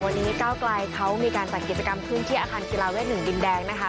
วันนี้เก้ากลายเค้ามีการสั่งกิจกรรมทุนที่อาคารกีฬาวาส๑ดินแดงนะคะ